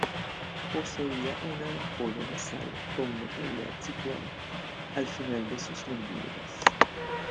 Poseía una ampolla nasal, con una cavidad situada al final de sus mandíbulas.